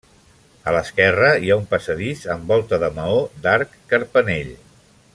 A l'esquerra hi ha un passadís amb volta de maó d'arc carpanell.